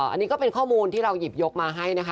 อันนี้ก็เป็นข้อมูลที่เราหยิบยกมาให้นะคะ